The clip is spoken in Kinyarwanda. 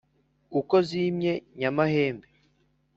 Uko zimye nyamahembe